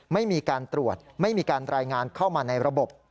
ไม่มีการตรวจไม่มีการรายงานเข้ามาในระบบ